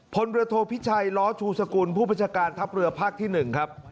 พลเรือโทพิชัยล้อชูสกุลผู้บัญชาการทัพเรือภาคที่๑ครับ